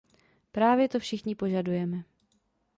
Právě to všichni požadujeme.